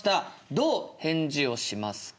どう返事をしますか？